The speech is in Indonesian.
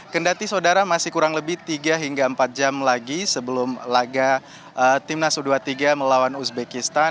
kendati saudara masih kurang lebih tiga hingga empat jam lagi sebelum laga timnas u dua puluh tiga melawan uzbekistan